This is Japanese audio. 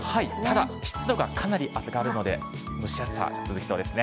ただ、湿度がかなり上がるので、蒸し暑さ、続きそうですね。